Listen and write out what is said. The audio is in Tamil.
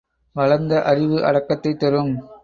வளர்ந்த அறிவு அடக்கத்தைத் தரும்.